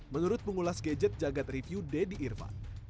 menurut pengulas gadget jagad review deddy irvan